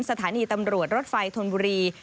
สถานีตำรวจรถไฟธนบุรี